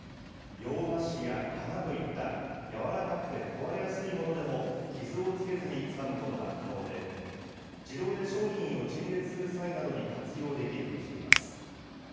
洋菓子や花といった、柔らかくて壊れやすいものでも傷をつけずにつかむことが可能で、自動で商品を陳列する際などに活用できるとしています。